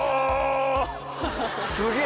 すげえ